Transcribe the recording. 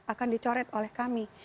akan dicoret oleh kami